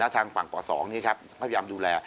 ทางฝั่งเกาะ๒นี่ครับพยายามดูแล